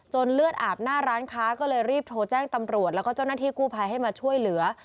เลือดอาบหน้าร้านค้าก็เลยรีบโทรแจ้งตำรวจแล้วก็เจ้าหน้าที่กู้ภัยให้มาช่วยเหลือ